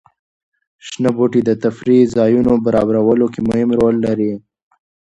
شنه بوټي د تفریح ځایونو برابرولو کې مهم رول لري.